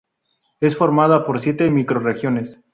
Es formada por siete microrregiones.